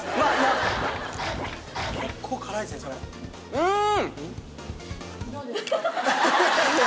うん！